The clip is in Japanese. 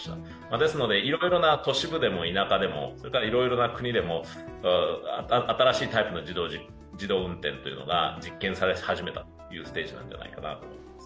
ですので都市部でも、田舎でも、いろいろな国でも新しいタイプの自動運転というのが実験され始めたというステージなんじゃないかなと思います。